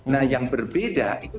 nah yang berbeda itu